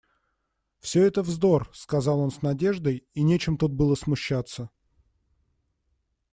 Всё это вздор, — сказал он с надеждой, — и нечем тут было смущаться!